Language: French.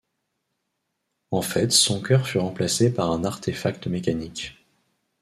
En fait son cœur fut remplacé par un artefact mécanique.